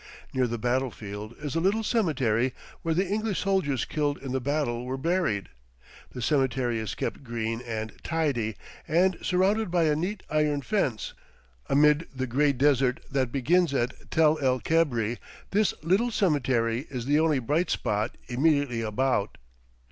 Near the battle field is a little cemetery where the English soldiers killed in the battle were buried. The cemetery is kept green and tidy, and surrounded by a neat iron fence; amid the gray desert that begins at Tel el Kebre this little cemetery is the only bright spot immediately about.